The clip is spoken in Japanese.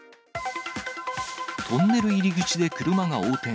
トンネル入り口で車が横転。